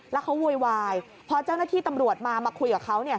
แล้วเขาโวยวายพอเจ้าหน้าที่ตำรวจมามาคุยกับเขา